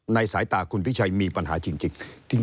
สายตาคุณพิชัยมีปัญหาจริง